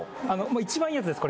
一番いいやつです